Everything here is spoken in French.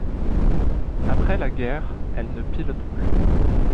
Après la guerre elle ne pilote plus.